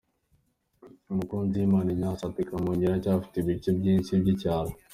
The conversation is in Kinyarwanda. Mukunziwimana Ignace ati «Kamonyi iracyafite ibice byinshi by’icyaro.